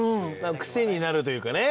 癖になるというかね。